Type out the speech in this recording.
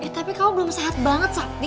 tapi kamu belum sehat banget sakti